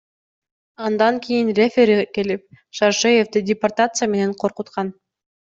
Андан кийин рефери келип, Шаршеевди депортация менен коркуткан.